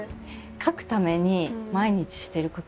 書くために毎日していること。